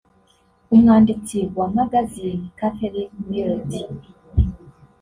umwanditsi wa magazine Catherine Millet